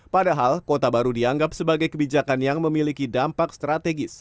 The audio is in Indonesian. padahal kota baru dianggap sebagai kebijakan yang memiliki dampak strategis